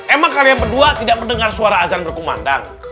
emang kalian berdua tidak mendengar suara azan berkumandang